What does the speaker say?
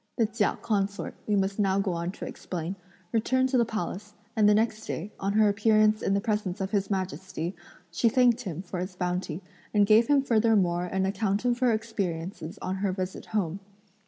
The Chia consort, we must now go on to explain, returned to the Palace, and the next day, on her appearance in the presence of His Majesty, she thanked him for his bounty and gave him furthermore an account of her experiences on her visit home.